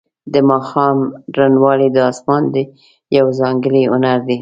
د ماښام روڼوالی د اسمان یو ځانګړی هنر دی.